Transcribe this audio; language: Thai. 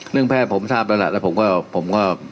เรื่องแพทย์ผมซ่าบแล้วแหละแล้วผมก็ผมก็